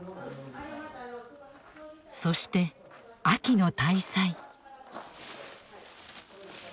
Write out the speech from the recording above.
そして秋の大祭。